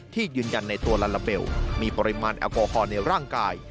ยืนยันในตัวลาลาเบลมีปริมาณแอลกอฮอลในร่างกาย